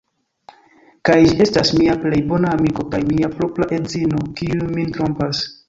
Kaj ĝi estas mia plej bona amiko kaj mia propra edzino, kiuj min trompas!